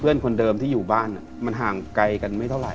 เพื่อนคนเดิมที่อยู่บ้านอ่ะมันห่างไกลกันไม่เท่าไร